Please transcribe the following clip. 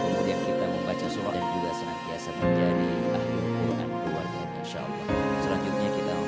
kemudian kita membaca surah dan juga senantiasa menjadi ahli al quran keluarga insyaallah